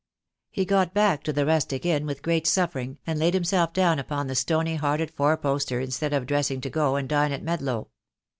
He got back to the rustic inn, with great suffering, and laid himself down upon the stony hearted four poster instead of dressing to go and dine at Medlow.